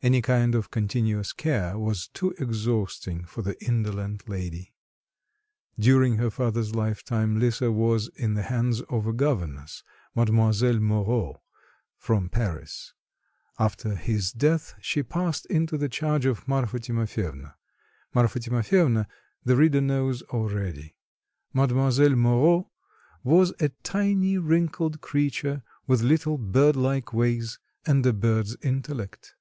Any kind of continuous care was too exhausting for the indolent lady. During her father's lifetime, Lisa was in the hands of a governess, Mademoiselle Moreau from Paris; after his death she passed into the charge of Marfa Timofyevna. Marfa Timofyevna the reader knows already; Mademoiselle Moreau was a tiny wrinkled creature with little bird like ways and a bird's intellect.